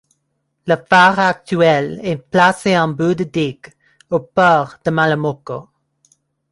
Le phare actuel est placé en bout de digue, au port de Malamocco.